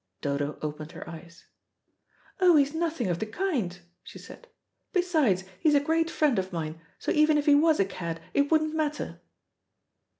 Dodo opened her eyes. "Oh, he's nothing of the kind," she said. "Besides, he's a great friend of mine, so even if he was a cad it wouldn't matter."